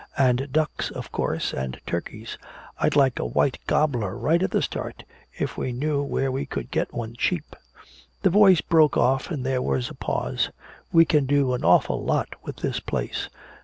And ducks, of course, and turkeys. I'd like a white gobbler right at the start, if we knew where we could get one cheap." The voice broke off and there was a pause. "We can do an awful lot with this place."